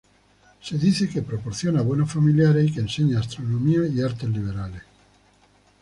Se dice que proporciona buenos familiares y que enseña astronomía y artes liberales.